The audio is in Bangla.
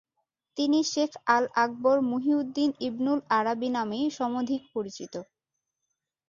তিনি Sheikh al Akbar Muhiuddin Ibnul Arabi নামেই সমধিক পরিচিত।